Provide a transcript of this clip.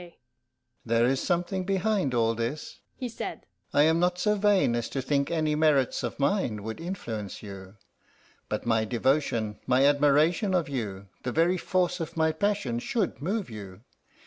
"There is something behind all this," he said. "I am not so vain as to think any merits of mine would influence you. But my devotion, my admiration of you, the very force of my passion, should move you.